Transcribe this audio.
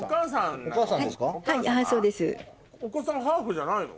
お子さんハーフじゃないの？